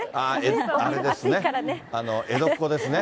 あれですね、江戸っ子ですね。